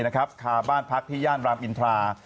คาบ้านพักที่ย่านรามอินทรา